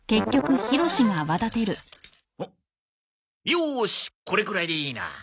よしこれくらいでいいな。